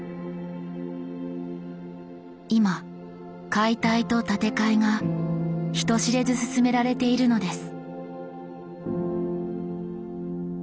今解体と建て替えが人知れず進められているのです。